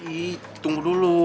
ih tunggu dulu